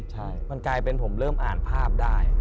ใช่มันกลายเป็นผมเริ่มอ่านภาพได้